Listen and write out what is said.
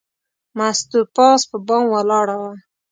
مستو پاس په بام ولاړه وه.